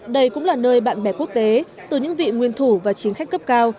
đây cũng là nơi bạn bè quốc tế từ những vị nguyên thủ và chính khách cấp cao